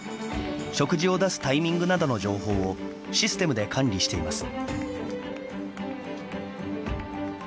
食事を出すタイミングなどの情報をシステムで管理しています。